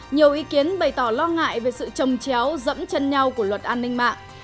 nhiều ý kiến bày tỏ lo ngại về sự trồng chéo dẫm chân nhau của luật an ninh mạng